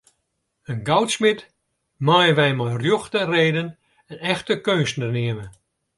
In goudsmid meie wy mei rjocht en reden in echte keunstner neame.